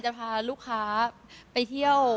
จะพาลูกค้าไปเที่ยว